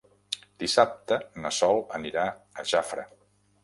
Dissabte na Sol anirà a Jafre.